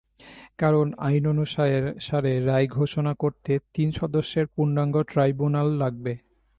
কারণ আইন অনুসারে রায় ঘোষণা করতে তিন সদস্যের পূর্ণাঙ্গ ট্রাইব্যুনাল লাগবে।